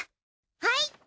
はい！